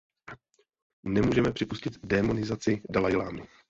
Nemůžeme připustit démonizaci dalajlamy.